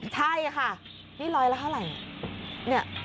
ใช่ค่ะนี่ร้อยละเท่าไหร่